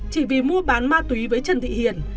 chỉ vì mua bán ma túy với trần thị hiền